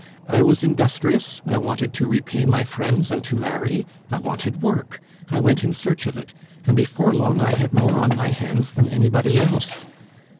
"I was industrious; I wanted to repay my friends and to marry; I wanted work; I went in search of it; and before long I had more on my hands than anybody else.